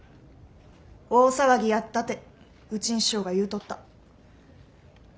大騒ぎやったてうちん師匠が言うとった。